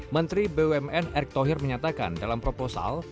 menteri bumn erick thohir menyatakan dalam proposal